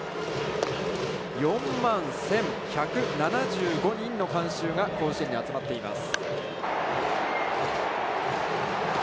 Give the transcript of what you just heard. ４万１１７５人の観客が、甲子園に集まっています。